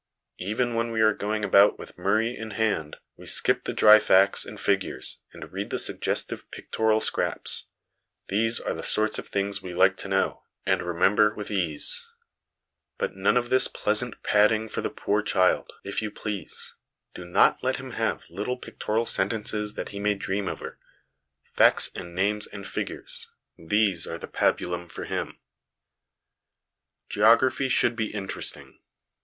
Even when we are going about with Murray in hand, we skip the dry facts and figures, and read the suggestive pictorial scraps ; these are the sorts of things we like to know, and remember LESSONS AS INSTRUMENTS OF EDUCATION 273 with ease. But none of this pleasant padding for the poor child, if you please ; do not let him have little pictorial sentences that he may dream over ; facts and names and figures these are the pabulum for him ! Geography should be Interesting.